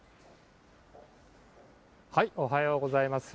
おはようございます。